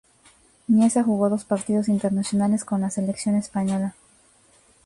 Mieza jugó dos partidos internacionales con la selección española.